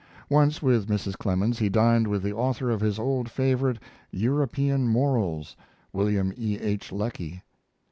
Once with Mrs. Clemens he dined with the author of his old favorite, 'European Morals', William E. H. Lecky.